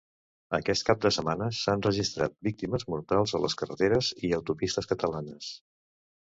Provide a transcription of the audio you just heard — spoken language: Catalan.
Aquest cap de setmana s'han registrat víctimes mortals a les carreteres i autopistes catalanes.